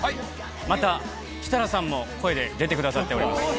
また設楽さんも声で出てくださっております。